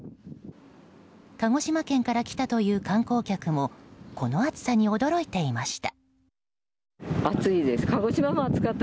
鹿児島県から来たという観光客もこの暑さに驚いていました。